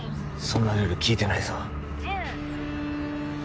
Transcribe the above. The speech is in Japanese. そんなルール聞いてないぞ１０９